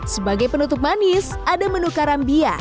sebagai penutup manis ada menu karambia